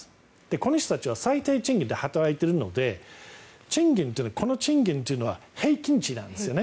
この人たちは最低賃金で働いているのでこの賃金というのは平均値なんですよね。